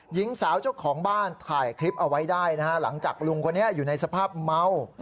หญิงสาวเจ้าของบ้านถ่ายคลิปเอาไว้ได้นะฮะหลังจากลุงคนนี้อยู่ในสภาพเมา